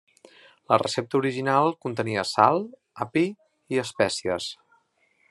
La recepta original contenia sal, api i espècies.